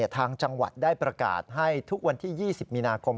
ทางจังหวัดได้ประกาศให้ทุกวันที่๒๐มีนาคม